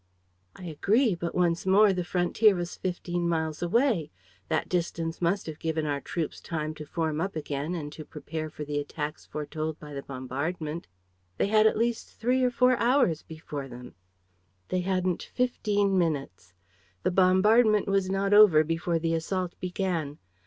"I agree; but, once more, the frontier was fifteen miles away. That distance must have given our troops time to form up again and to prepare for the attacks foretold by the bombardment. They had at least three or four hours before them." "They hadn't fifteen minutes. The bombardment was not over before the assault began.